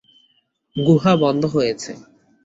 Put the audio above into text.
গুহা বন্ধ রয়েছে।